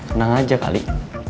seneng aja kali